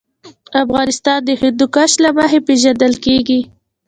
افغانستان د هندوکش له مخې پېژندل کېږي.